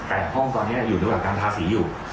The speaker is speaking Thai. แต่ห้องตอนนี้อยู่ระหว่างการทาสีอยู่